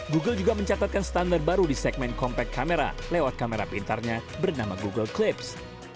google juga mencatatkan standar baru di segmen compact kamera lewat kamera pintarnya bernama google clips